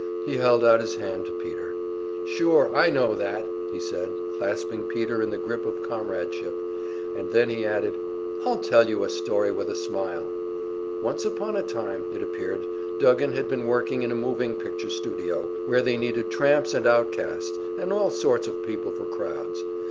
He held out his hand to Peter. "Sure, I know that!" he said, clasping Peter in the grip of comradeship. And then he added: "I'll tell you a story with a smile!" Once upon a time, it appeared, Duggan had been working in a moving picture studio, where they needed tramps and outcasts and all sorts of people for crowds.